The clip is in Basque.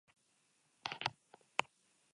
Marteren orbita osoa kalkulatzen ezarri zen.